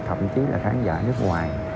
thậm chí là khán giả nước ngoài